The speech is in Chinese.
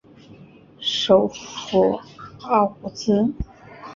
首府奥古兹。